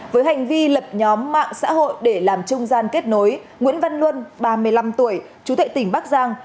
với hành vi lập nhóm mạng xã hội để làm trung gian kết nối nguyễn văn luân ba mươi năm tuổi chú thệ tỉnh bắc giang